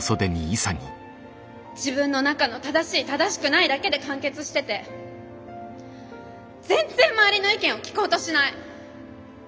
自分の中の正しい正しくないだけで完結してて全然周りの意見を聞こうとしない！